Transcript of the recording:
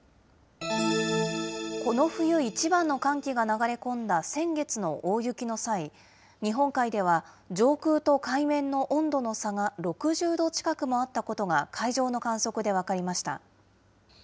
この冬一番の寒気が流れ込んだ先月の大雪の際、日本海では上空と海面の温度の差が６０度近くもあったことが、海上の観測で分かりました。